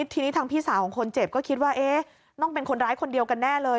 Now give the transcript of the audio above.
ทีนี้ทางพี่สาวของคนเจ็บก็คิดว่าต้องเป็นคนร้ายคนเดียวกันแน่เลย